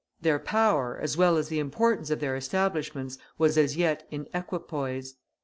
Their power, as well as the importance of their establishments was as yet in equipoise.